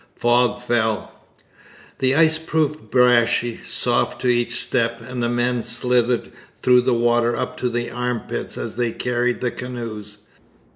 Fog fell. The ice proved brashy, soft to each step, and the men slithered through the water up to the armpits as they carried the canoes.